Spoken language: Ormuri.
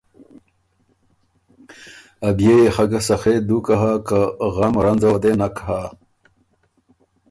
ا بيې يې خه ګۀ سخے دوکه هۀ که غم رنځه وه دې نک هۀ